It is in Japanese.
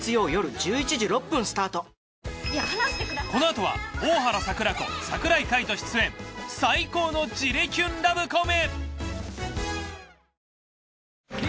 このあとは大原櫻子櫻井海音出演最高の焦れキュンラブコメ！